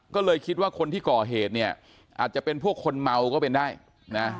ก็เลยคิดว่าคนที่ก่อเหตุเนี่ยอาจจะเป็นพวกคนเมาก็เป็นได้นะ